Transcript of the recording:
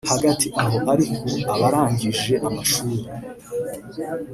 Hagati aho ariko abarangije amashuri